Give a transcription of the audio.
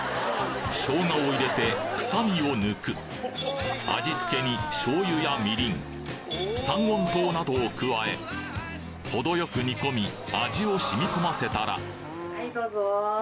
生姜を入れて臭みを抜く味付けに醤油やみりん三温糖などを加えほどよく煮込み味を染み込ませたらはいどうぞ。